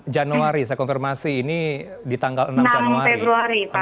januari saya konfirmasi ini di tanggal enam januari